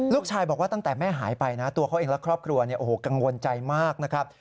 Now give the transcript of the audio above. ลูกชายบอกว่าตั้งแต่แม่หายไปนะตัวเขาเองและครอบครัวกังวลใจมากนะครับ